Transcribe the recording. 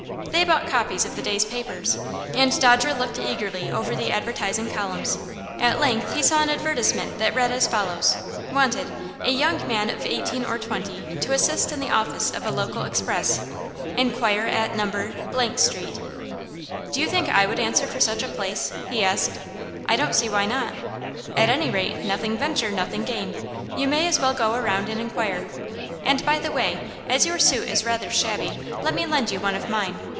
They bought copies of the day's papers, and Dodger looked eagerly over the advertising columns. At length he saw an advertisement that read as follows: WANTED A young man of 18 or 20 to assist in the office of a local express. Inquire at No. St." "Do you think I would answer for such a place?" he asked. "I don't see why not. At any rate, 'nothing venture, nothing gain.' You may as well go around and inquire. And, by the way, as your suit is rather shabby, let me lend you one of mine.